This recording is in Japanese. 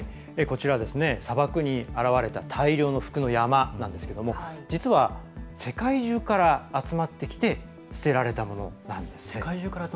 砂漠に現れた大量の服の山なんですけれども実は、世界中から集まってきて捨てられたものなんです。